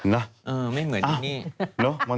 ดูเนอะ